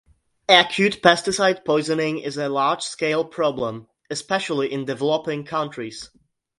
Acute pesticide poisoning is a large-scale problem, especially in developing countries.